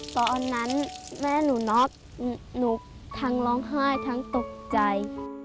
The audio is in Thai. ตอนนั้นแม่หนูน็อกหนูทั้งร้องไห้ทั้งตกใจ